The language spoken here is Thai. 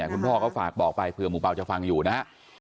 คุณพ่อก็ฝากบอกไปเผื่อหมู่เปล่าจะฟังอยู่นะฮะ